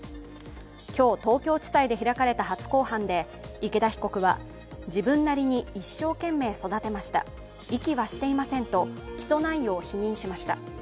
今日、東京地裁で開かれた初公判で、池田被告は自分なりに一生懸命育てました遺棄はしていませんと、起訴内容を否認しました。